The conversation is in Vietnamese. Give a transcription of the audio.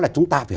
chúng ta phải